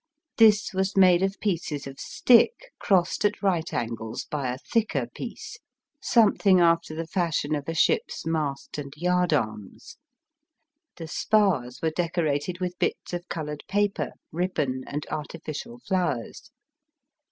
This was made of pieces of stick crossed at right angles by a thicker piece, something after the fashion of a ship's Digitized by VjOOQIC 208 EAST BT WEST. mast and yardarms. The spars were decorated with bits of coloured paper, ribbon, and arti ficial flowers.